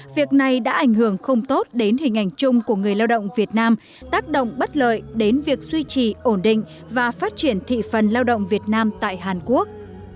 việc này đã ảnh hưởng không tốt đến hình ảnh chung của người lao động việt nam tác động bất lợi đến việc duy trì ổn định và phát triển thị phần lao động việt nam tại hàn quốc